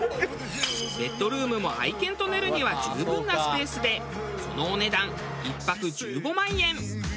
ベッドルームも愛犬と寝るには十分なスペースでそのお値段１泊１５万円。